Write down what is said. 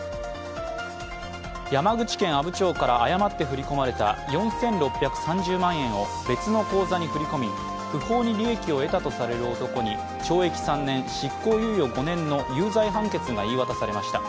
山口県阿武町から誤って振り込まれた４６３０万円を別の口座に振り込み、不法に利益を得たとされる男に懲役３年、執行猶予５年の有罪判決が言い渡されました。